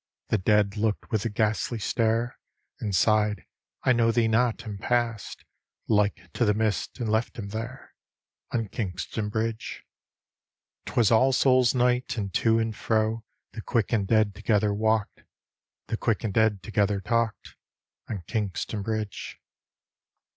The Dead looked with a ghastly stare. And sighed " I know thee not," and passed Like to the mist, and left him there On Kingston Bridge. Twas All Souls' Night, and to and fro The quick and dead together walked, The quick and dead together talked, On Kingston Bridge.